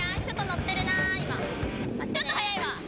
ちょっと乗ってるな、今。